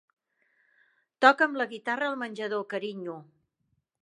Toca'm la guitarra al menjador, carinyo.